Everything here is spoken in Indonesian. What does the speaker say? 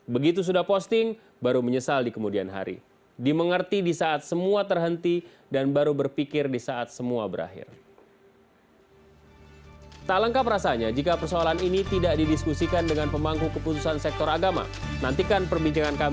sesuatu yang tidak terelakkan ya